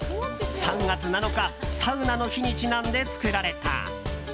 ３月７日、サウナの日にちなんで作られた。